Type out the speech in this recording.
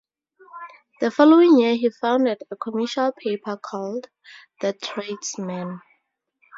The following year he founded a commercial paper called "The Tradesman".